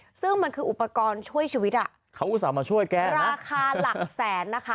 ซึ่งมันคืออุปกรณ์ช่วยชีวิตอ่ะเขาอุตส่าห์มาช่วยแก้ราคาหลักแสนนะคะ